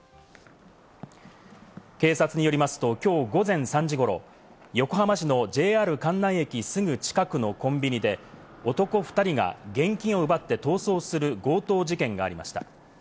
警察によりますと、きょう午前３時ごろ、横浜市のＪＲ関内駅すぐ近くのコンビニで、男２人が現金を奪って逃走する強盗事件がありました。